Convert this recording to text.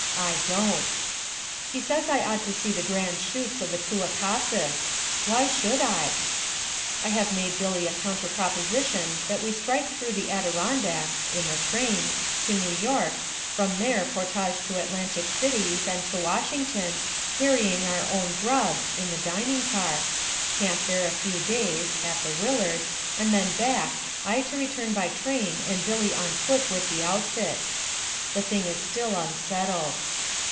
I don't. He says I ought to see the grand chutes of the Kewakasis. Why should I? I have made Billy a counter proposition that we strike through the Adirondacks (in the train) to New York, from there portage to Atlantic City, then to Washington, carrying our own grub (in the dining car), camp there a few days (at the Willard), and then back, I to return by train and Billy on foot with the outfit. The thing is still unsettled.